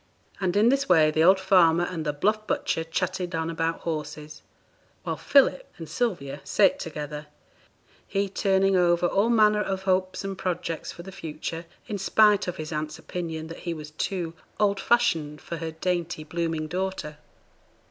And in this way the old farmer and the bluff butcher chatted on about horses, while Philip and Sylvia sate together, he turning over all manner of hopes and projects for the future, in spite of his aunt's opinion that he was too 'old fashioned' for her dainty, blooming daughter.